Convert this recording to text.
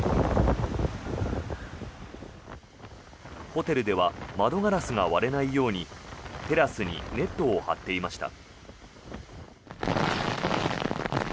ホテルでは窓ガラスが割れないようにテラスにネットを張っていました。